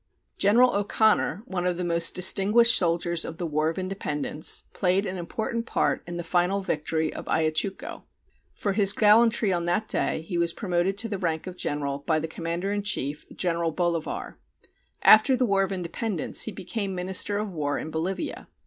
General O'Connor, one of the most distinguished soldiers of the War of Independence, played an important part in the final victory of Ayachucho. For his gallantry on that day he was promoted to the rank of general by the commander in chief, General Bolivar. After the War of Independence he became Minister of War in Bolivia.